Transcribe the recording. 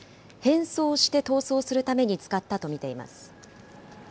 変装して逃走するために使ったと見ています。